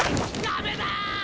ダメだ！